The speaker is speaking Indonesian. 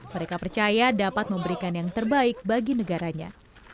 mereka percaya dapat memberikan yang terbaik bagi negaranya